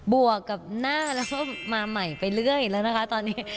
บวกกับหน้าแล้วก็มาใหม่ไปเรื่อยแล้วนะคะตอนนี้